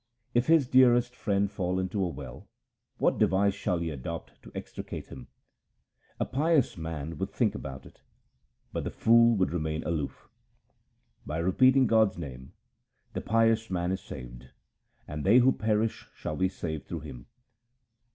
If his dearest friend fall into a well, what device shall he adopt to extricate him ? A pious man would think about it, but the fool would remain aloof. By repeating God's name the pious man is saved, and they who were perishing shall be saved through him.